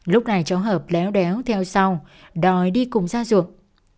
lúc này cháu hợp léo đéo theo sau đòi đi cùng ra ruộng